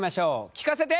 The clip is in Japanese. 聞かせて！